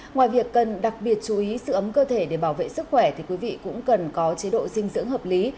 ngoài việc cần đặc biệt chú ý sự ấm cơ thể để bảo vệ sức khỏe thì quý vị cũng cần có chế độ dinh dưỡng hợp lý